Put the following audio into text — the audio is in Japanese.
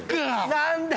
何で。